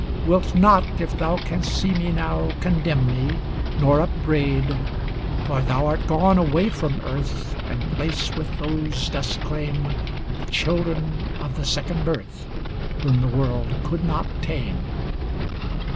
Wilt not, if thou can'st see me now, Condemn me, nor upbraid. For thou art gone away from earth, And place with those dost claim, The Children of the Second Birth, Whom the world could not tame.